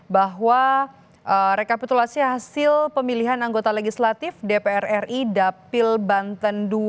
bahwa rekapitulasi hasil pemilihan anggota legislatif dpr ri dapil banten dua ribu